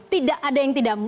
tidak ada yang tidak